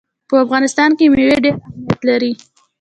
په افغانستان کې مېوې ډېر اهمیت لري.